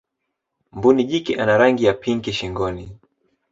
mbuni jike ana rangi ya pinki shingonis